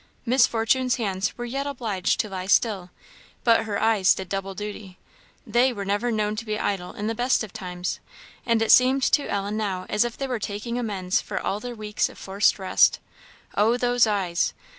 Miss Fortune's hands were yet obliged to lie still, but her eyes did double duty; they were never known to be idle in the best of times, and it seemed to Ellen now as if they were taking amends for all their weeks of forced rest. Oh, those eyes!